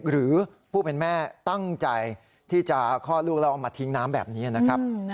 หรือผู้เป็นแม่ตั้งใจที่จะคลอดลูกแล้วเอามาทิ้งน้ำแบบนี้นะครับ